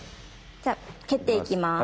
じゃあ蹴っていきます。